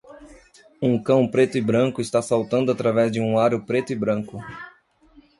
Um cão preto e branco está saltando através de um aro preto e branco.